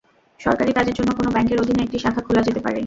সরকারি কাজের জন্য কোনো ব্যাংকের অধীনে একটি শাখা খোলা যেতে পারে।